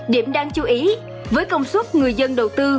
điểm đáng chú ý với công suất người dân đầu tư